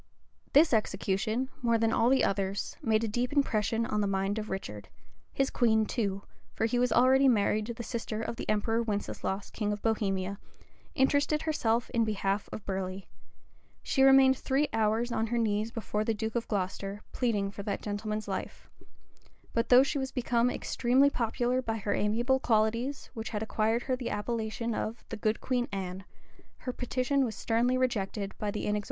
This execution, more than all the others, made a deep impression on the mind of Richard; his queen too (for he was already married to the sister of the emperor Winceslaus, King of Bohemia) interested herself in behalf of Burley: she remained three hours on her knees before the duke of Glocester, pleading for that gentleman's life; but though she was become extremely popular by her amiable qualities, which had acquired her the appellation of "the good Queen Anne," her petition was sternly rejected by the inexorable tyrant.